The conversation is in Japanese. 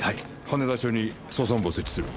羽田署に捜査本部を設置する。